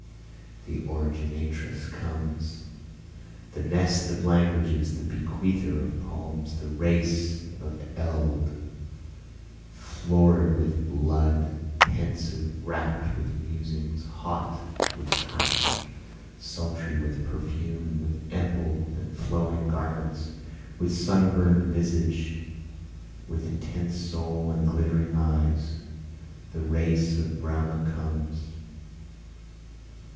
The Originatress comes, The nest of languages, the bequeather of poems, the race of eld, Florid with blood, pensive, rapt with musings, hot with passion, Sultry with perfume, with ample and flowing garments, With sunburnt visage, with intense soul and glittering eyes, The race of Brahma comes.